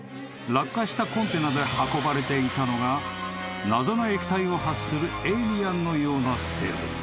［落下したコンテナで運ばれていたのが謎の液体を発するエイリアンのような生物］